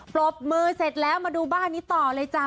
ปรบมือเสร็จแล้วมาดูบ้านนี้ต่อเลยจ้ะ